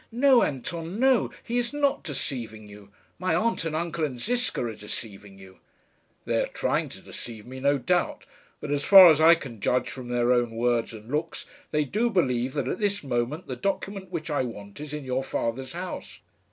"No, Anton, no! he is not deceiving you. My aunt and uncle and Ziska are deceiving you." "They are trying to deceive me, no doubt; but as far as I can judge from their own words and looks, they do believe that at this moment the document which I want is in your father's house.